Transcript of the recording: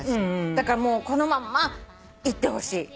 だからもうこのまんまいってほしい。